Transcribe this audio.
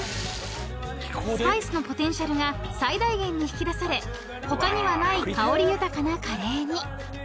［スパイスのポテンシャルが最大限に引き出され他にはない香り豊かなカレーに］